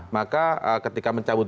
maka ketika mencabut